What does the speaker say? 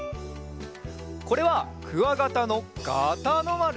これはクワガタのガタのまる！